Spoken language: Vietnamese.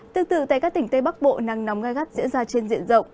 tương tự tại các tỉnh tây bắc bộ nắng nóng gai gắt diễn ra trên diện rộng